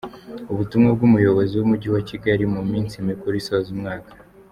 Ubutumwa bw’Umuyobozi w’Umujyi wa Kigali mu minsi mikuru isoza umwaka